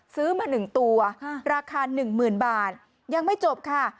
ซื้อมาหนึ่งตัวราคาหนึ่งหมื่นบาทยังไม่จบค่ะ